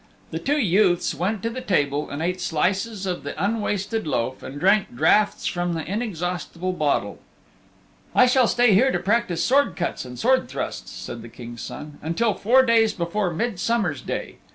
The two youths went to the table and ate slices of the unwasted loaf and drank draughts from the inexhaustible bottle. "I shall stay here to practise sword cuts and sword thrusts," said the King's Son, "until four days before Midsummer's Day."